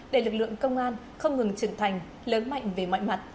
để lực lượng công an không ngừng trưởng thành lớn mạnh về mọi mặt